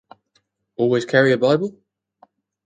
Always carry a bible?